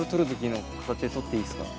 で撮っていいですか？